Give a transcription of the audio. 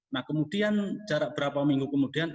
nah kemudian jarak berapa minggu kemudian